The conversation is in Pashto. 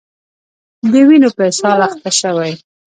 د وینو په اسهال اخته شوي